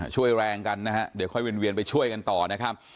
ช่วยแรงกันนะฮะเดี๋ยวค่อยเวียนไปช่วยกันต่อนะครับ